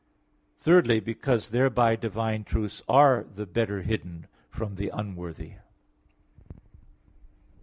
Thirdly, because thereby divine truths are the better hidden from the unworthy.